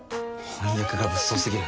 翻訳が物騒すぎる。